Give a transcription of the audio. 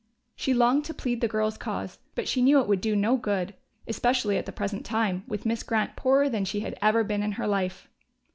She longed to plead the girl's cause, but she knew it would do no good. Especially at the present time, with Miss Grant poorer than she had ever been in her life.